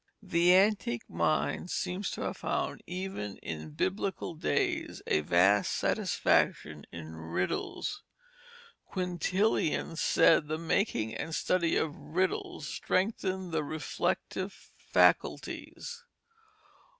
The antique mind seems to have found even in Biblical days a vast satisfaction in riddles. Quintilian said the making and study of riddles strengthened the reflective faculties.